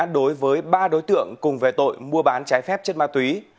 đối với ba đối tượng cùng về tội mua bán trái phép chất ma túy